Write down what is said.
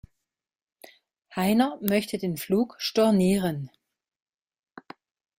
Heiner möchte den Flug stornieren.